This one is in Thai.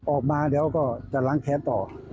ออกมาเดี๋ยวก็จะล้างแค้นต่อ